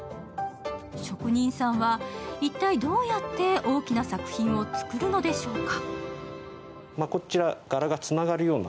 職人さんは一体どうやって大きな作品を作るのでしょうか。